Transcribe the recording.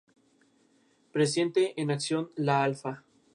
Para ello se valió de su red de espías, conocida como Santa Alianza.